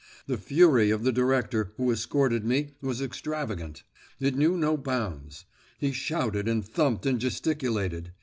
The fury of the Director, who escorted me, was extravagant. It knew no bounds. He shouted and thumped and gesticulated.